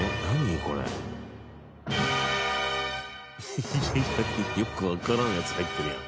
いやいやよくわからんやつ入ってるやん。